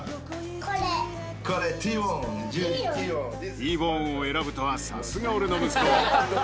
Ｔボーンを選ぶとは、さすが俺の息子。